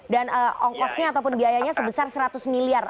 dan ongkosnya ataupun biayanya sebesar seratus miliar